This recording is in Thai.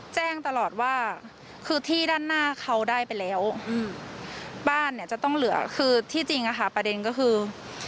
แจ้งตลอดว่าคือที่ด้านหน้าเขาได้ไปแล้วบ้านเนี่ยจะต้องเหลือคือที่จริงอะค่ะประเด็นก็คือ